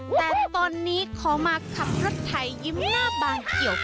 แต่ตอนนี้ขอมาขับรถไถยิ้มหน้าบางเกี่ยวค่ะ